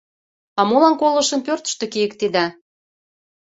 А молан колышым пӧртыштӧ кийыктеда?